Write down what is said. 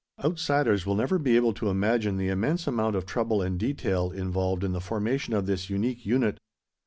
Outsiders will never be able to imagine the immense amount of trouble and detail involved in the formation of this unique unit.